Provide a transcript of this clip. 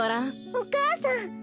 お母さん！